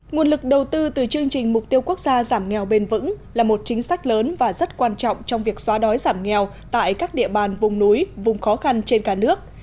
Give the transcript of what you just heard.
nguồn lực đầu tư từ chương trình mục tiêu quốc gia giảm nghèo bền vững là một chính sách lớn và rất quan trọng trong việc xóa đói giảm nghèo tại các địa bàn vùng núi vùng khó khăn trên cả nước